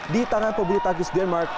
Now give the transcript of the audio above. di tangan pebulu tangkis denmark